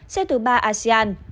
xếp thứ ba asean